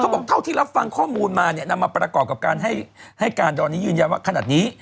บอกเท่าที่รับฟังข้อมูลมาเนี่ยนำมาประกอบกับการให้การตอนนี้ยืนยันว่าขนาดนี้